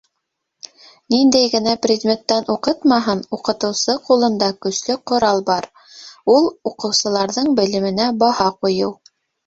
Ниндәй генә предметтан уҡытмаһын, уҡытыусы ҡулында көслө ҡорал бар - ул уҡыусыларҙың белеменә баһа ҡуйыу.